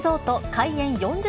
開園４０